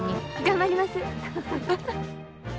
頑張ります。